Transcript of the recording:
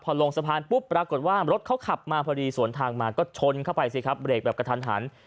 พอลงสะพานปุ๊บปรากฏว่ารถเขาขับมาพอดีสวนทางมาก็ชนเข้าไปสิครับเรกแบบกระทันหัน